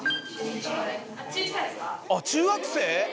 あっ中学生？